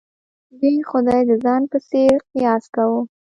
دوی خدای د ځان په څېر قیاس کاوه.